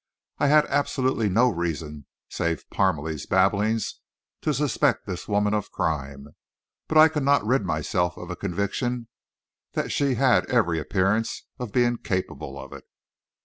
I had absolutely no reason, save Parmalee's babblings, to suspect this woman of crime, but I could not rid myself of a conviction that she had every appearance of being capable of it.